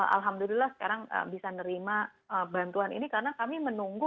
alhamdulillah sekarang bisa nerima bantuan ini karena kami menunggu